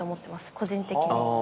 個人的に。